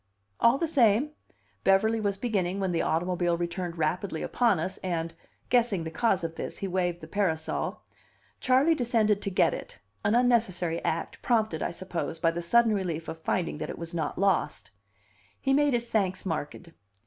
"All the same," Beverly was beginning, when the automobile returned rapidly upon us, and, guessing the cause of this, he waved the parasol. Charley descended to get it an unnecessary act, prompted, I suppose, by the sudden relief of finding that it was not lost. He made his thanks marked.